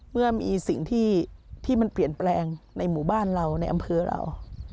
เมื่อมีสิ่งที่มันเปลี่ยนแปลงในหมู่บ้านเราในอำเภอเรา